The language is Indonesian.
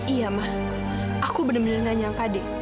iya mah aku benar benar nanya pada